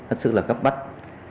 ít sức là cấp bách